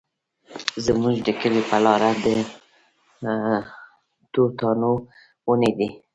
زموږ د کلي په لاره د توتانو ونې دي